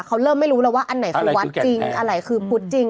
เขาเริ่มแล้วไม่รู้ว่าอันไหนคือวัดจริงอะไรคือพุทธจริง